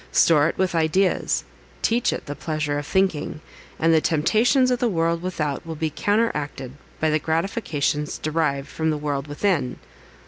Store it with ideas, teach it the pleasure of thinking; and the temptations of the world without, will be counteracted by the gratifications derived from the world within.